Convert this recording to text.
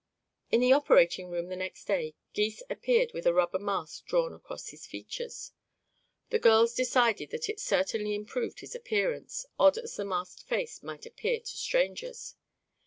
In the operating room the next day Gys appeared with a rubber mask drawn across his features. The girls decided that it certainly improved his appearance, odd as the masked face might appear to strangers.